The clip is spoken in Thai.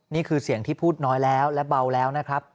นี่คือเสียงที่พูดน้อยแล้วและเบาแล้วนะครับ